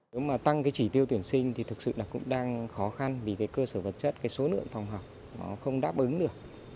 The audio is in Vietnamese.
nếu mà tăng cái chỉ tiêu tuyển sinh thì thực sự là cũng đang khó khăn vì cái cơ sở vật chất cái số lượng phòng học nó không đáp ứng được